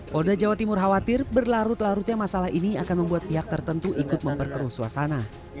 polda jawa timur khawatir berlarut larutnya masalah ini akan membuat pihak tertentu ikut memperkeruh suasana